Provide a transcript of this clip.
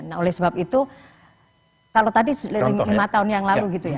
nah oleh sebab itu kalau tadi lima tahun yang lalu gitu ya